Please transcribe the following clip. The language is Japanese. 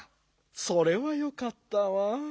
それはよかったわ。